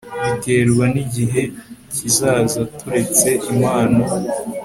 biterwa nigihe kizaza turetse impano